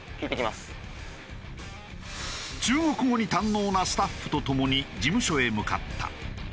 中国語に堪能なスタッフとともに事務所へ向かった。